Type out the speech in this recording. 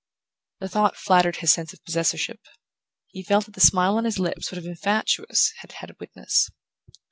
The thought flattered his sense of possessorship...He felt that the smile on his lips would have been fatuous had it had a witness.